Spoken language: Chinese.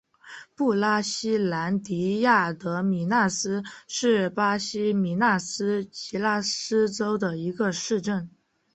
布拉西兰迪亚德米纳斯是巴西米纳斯吉拉斯州的一个市镇。